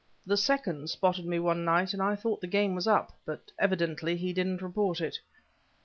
The second spotted me one night and I thought the game was up, but evidently he didn't report it."